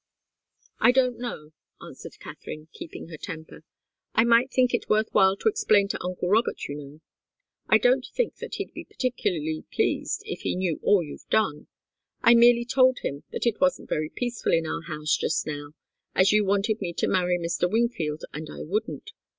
"I don't know," answered Katharine, keeping her temper. "I might think it worth while to explain to uncle Robert, you know. I don't think that he'd be particularly pleased if he knew all you've done. I merely told him that it wasn't very peaceful in our house just now, as you wanted me to marry Mr. Wingfield, and I wouldn't.